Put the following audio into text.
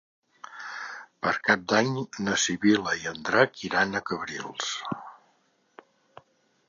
Per Cap d'Any na Sibil·la i en Drac iran a Cabrils.